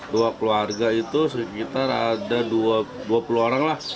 dua keluarga itu sekitar ada dua puluh orang lah